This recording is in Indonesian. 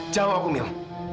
jawab aku mil